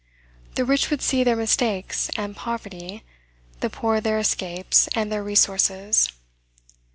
The rich would see their mistakes and poverty, the poor their escapes and their resources.